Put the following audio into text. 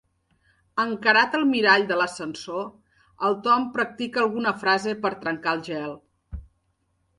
Encarat al mirall de l'ascensor, el Tom practica alguna frase per trencar el gel.